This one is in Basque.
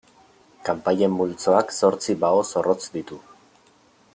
Kanpaien multzoak zortzi bao zorrotz ditu.